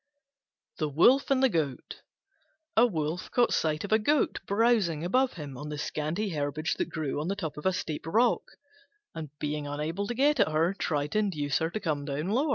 THE WOLF AND THE GOAT A Wolf caught sight of a Goat browsing above him on the scanty herbage that grew on the top of a steep rock; and being unable to get at her, tried to induce her to come lower down.